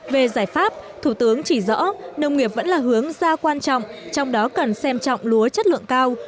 về giải pháp thủ tướng chỉ rõ nông nghiệp vẫn là hướng ra quan trọng trong đó cần xem trọng lúa chất lượng cao